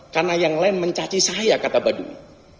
karena yang lain mencaci saya kata baduy